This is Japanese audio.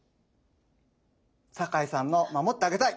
坂井さんの「守ってあげたい」。